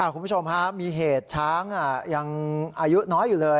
คุณผู้ชมมีเหตุช้างยังอายุน้อยอยู่เลย